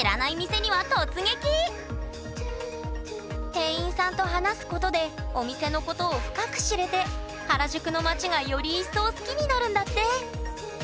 店員さんと話すことでお店のことを深く知れて原宿の街がより一層好きになるんだって！